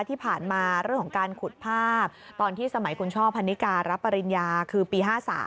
ที่ผ่านมาเรื่องของการขุดภาพตอนที่สมัยคุณช่อพันนิการับปริญญาคือปี๕๓